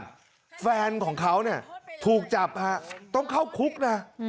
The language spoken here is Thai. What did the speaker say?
โทสสนของเขาเนี่ยถูกจับพากันต้องเข้าคุกนะ